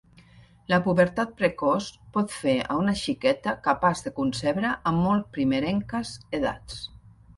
La pubertat precoç pot fer a una xiqueta capaç de concebre a molt primerenques edats.